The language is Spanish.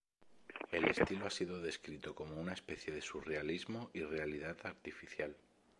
El estilo ha sido descrito como "una especie de surrealismo" y "realidad artificial".